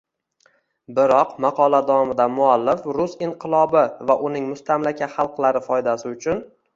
Biroq, maqola davomida muallif rus inqilobi va uning mustamlaka xalqlari foydasi uchun